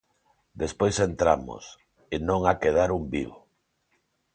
Despois entramos... e non ha quedar un vivo!